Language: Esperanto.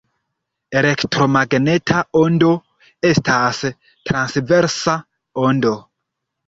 Elektromagneta ondo estas transversa ondo.